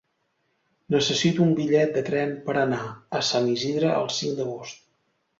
Necessito un bitllet de tren per anar a Sant Isidre el cinc d'agost.